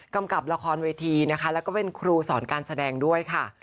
กับละครเวทีนะคะแล้วก็เป็นครูสอนการแสดงด้วยค่ะ